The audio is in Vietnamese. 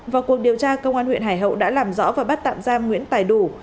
vào cuộc điều tra công an huyện hải hậu đã làm rõ và bắt tạm giam nguyễn tài đủ